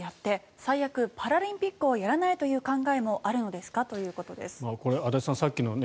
オリンピックはやって最悪、パラリンピックをやらないという考えもあるのですかということです。